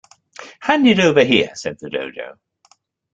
‘Hand it over here,’ said the Dodo.